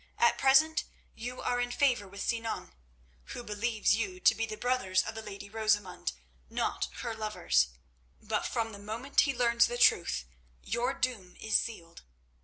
At present you are in favour with Sinan, who believes you to be the brothers of the lady Rosamund, not her lovers; but from the moment he learns the truth your doom is sealed.